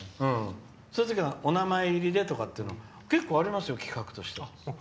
そういう時はお名前入りでとか結構ありますよ、企画として。